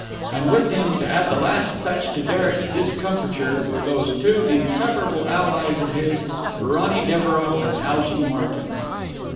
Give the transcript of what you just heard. And with him, to add the last touch to Derek's discomfiture, were those two inseparable allies of his, Ronny Devereux and Algy Martyn.